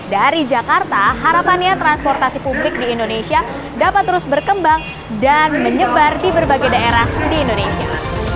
dari jakarta harapannya transportasi publik di indonesia dapat terus berkembang dan menyebar di berbagai daerah di indonesia